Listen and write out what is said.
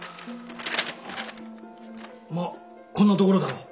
まあこんなところだろう。